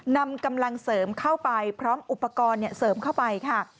นำกำลังเสริมเข้าไปพร้อมอุปกรณ์เสริมเข้าไปค่ะ